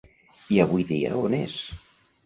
I avui dia on és?